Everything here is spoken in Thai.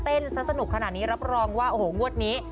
เต้นสักสนุกขนาดนี้รับรองว่าโอ้โห้ทุกวัสดิ์นี้